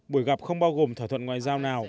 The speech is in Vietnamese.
buổi gặp không bao gồm thỏa thuận ngoại giao nào